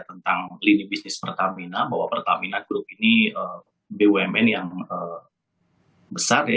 tentang lini bisnis pertamina bahwa pertamina group ini bumn yang besar ya